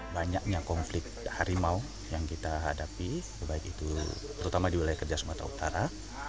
banyaknya konflik harimau yang kita hadapi itu terutama di wilayah kerja sumatera utara